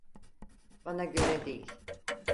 Bana göre değil.